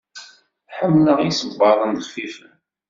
Ḥemmleɣ isebbaḍen xfifen.